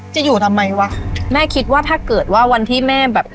จะอยู่ทำไมวะแม่คิดว่าถ้าเกิดว่าวันที่แม่แบบ